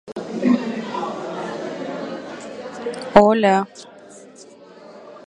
The village is the site of the former Alkborough Benedictine Priory Cell.